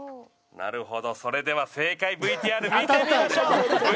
なるほどそれでは正解ＶＴＲ見てみましょう！